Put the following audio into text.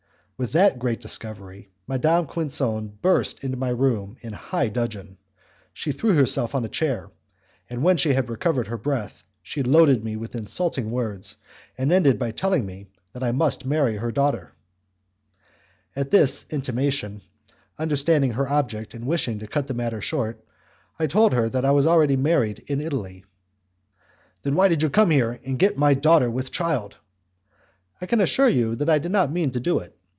With that great discovery Madame Quinson burst into my room in high dudgeon. She threw herself on a chair, and when she had recovered her breath she loaded me with insulting words, and ended by telling me that I must marry her daughter. At this intimation, understanding her object and wishing to cut the matter short, I told her that I was already married in Italy. "Then why did you come here and get my daughter with child?" "I can assure you that I did not mean to do so.